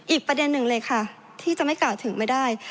อีกประเด็นหนึ่งเลยค่ะที่จะไม่กล่าวถึงไม่ได้